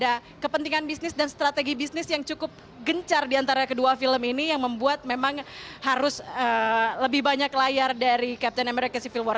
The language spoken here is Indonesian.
ada kepentingan bisnis dan strategi bisnis yang cukup gencar diantara kedua film ini yang membuat memang harus lebih banyak layar dari captain america civil war